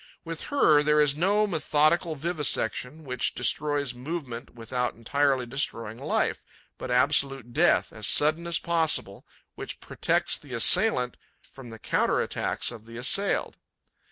With her, there is no methodical vivisection, which destroys movement without entirely destroying life, but absolute death, as sudden as possible, which protects the assailant from the counter attacks of the assailed.